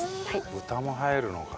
豚も入るのか。